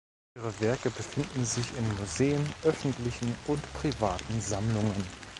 Ihre Werke befinden sich in Museen, öffentlichen und privaten Sammlungen.